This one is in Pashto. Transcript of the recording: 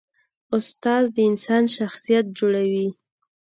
استاد د انسان شخصیت جوړوي.